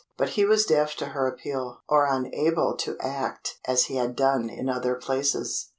But he was deaf to her appeal, or unable to act as he had done in other places.